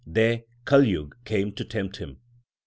There Kaljug 1 came to tempt him.